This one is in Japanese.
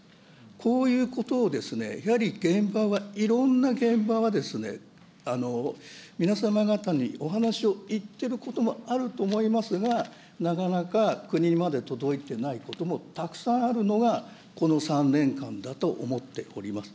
こういうことを、やはり現場はいろんな現場は、皆様方にお話をいってることもあると思いますが、なかなか国まで届いてないこともたくさんあるのが、この３年間だと思います。